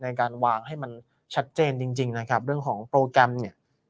ในการวางให้มันชัดเจนจริงจริงนะครับเรื่องของโปรแกรมเนี่ย